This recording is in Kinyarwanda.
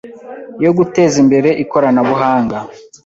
yo guteza imbere Ikoranabuhanga